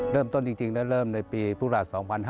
เริ่มต้นจริงและเริ่มในปีพุราช๒๕๕๙